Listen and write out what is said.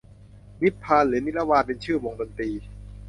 นิพพาน หรือนิรวาน เป็นชื่อวงดนตรี